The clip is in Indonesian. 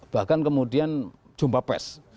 bahkan kemudian jumpa pers